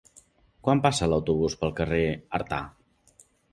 Quan passa l'autobús pel carrer Artà?